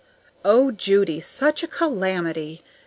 O Judy, such a calamity!